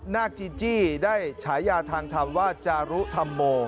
นาคจีจี้ได้ฉายาทางธรรมว่าจารุธรรโม